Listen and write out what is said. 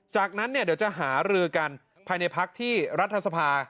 จากนั้นเนี่ยเดี๋ยวจะหารือกันภายในพักที่รัฐสภา